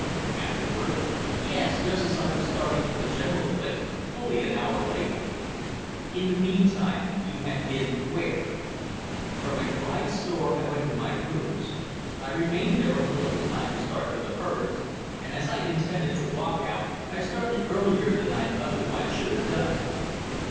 "Afterward " "Yes, just as I was starting for the general's place, fully an hour later." "In the meantime you had been where " "From McBride's store I went to my rooms. I remained there until it was time to start for the Herberts', and as I intended to walk out I started earlier than I otherwise should have done."